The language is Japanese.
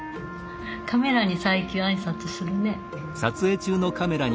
カメラに最近挨拶するね。